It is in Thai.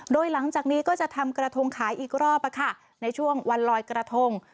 โดยหลังจากนี้ก็จะทำกระทงขายอีกรอบในช่วงวันลอยกระทง